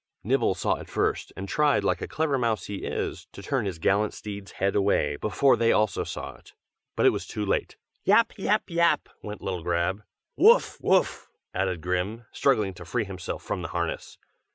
Nibble saw it first, and tried like a clever mouse as he is, to turn his gallant steeds' heads away before they also saw it: but it was too late. "Yap! yap! yap!" went little Grab; "Woof! woof!" added Grim, struggling to free himself from the harness.